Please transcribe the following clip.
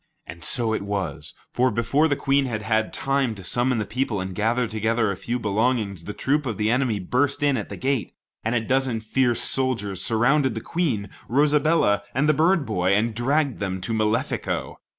And so it was; for before the Queen had had time to summon the people and gather together a few belongings, the troops of the enemy burst in at the gate, and a dozen fierce soldiers surrounded the Queen, Rosabella, and the bird boy, and dragged them to Malefico.